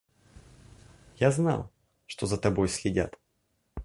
Я знал, что за тобой следят.